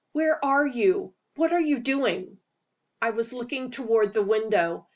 Where are you? What are you doing?" I was looking toward the window.